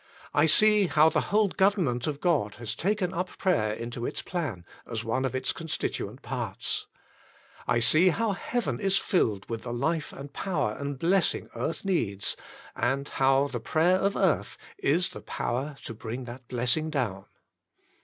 I see how the whole government of God has taken up prayer into its plan as one of its constituent parts. I see how heaven is filled with the life ^. 1 " and power and blessing earth needs, and how the ;:./ =^^4.. prayer of earth is the power to bring that blessing ,,^ .^J, down.